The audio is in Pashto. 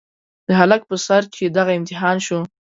د هلک په سر چې دغه امتحان شو.